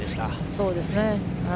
そうですね。